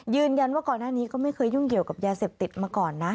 ยืนยันว่าก่อนหน้านี้ก็ไม่เคยยุ่งเกี่ยวกับยาเสพติดมาก่อนนะ